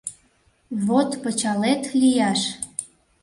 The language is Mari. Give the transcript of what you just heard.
Вот пычалет лияш!..